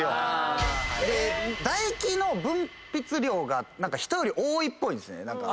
唾液の分泌量が人より多いっぽいんですね。